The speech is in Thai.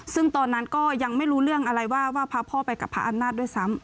ซึ่งตอนนั้นก็ยังไม่รู้เรื่องอะไรว่าพระพ่อไปกับพระอำนาจด้วยซ้ำ